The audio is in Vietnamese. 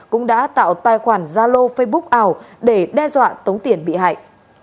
cũng đã tạo tài khoản gia lô facebook ảo để đe dọa tống tiền bị hại